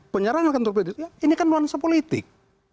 penyerangan kantor pdi itu ini kan luar nasa politik